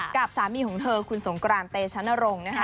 กับสามีของเธอคุณสงกรานเตชนรงค์นะคะ